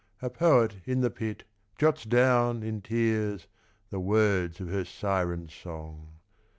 A poet in the pit Jots down, in tears, the words of her Siren song.